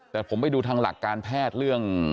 แต่ผมไปดูทางหลักการแพทย์เรื่อง